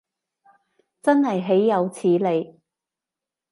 真係豈有此理